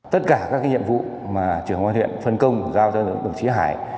tất cả các nhiệm vụ mà trưởng quan huyện phân công giao cho đồng chí hải